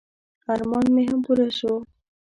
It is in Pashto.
ارمان مې هم پوره شو.